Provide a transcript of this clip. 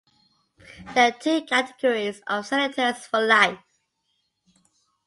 There are two categories of senators for life.